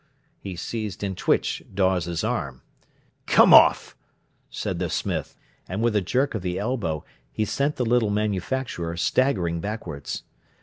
He seized and twitched Dawes's arm. "Come off!" said the smith, and with a jerk of the elbow he sent the little manufacturer staggering backwards.